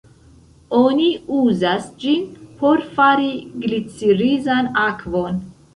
Oni uzas ĝin por fari glicirizan akvon.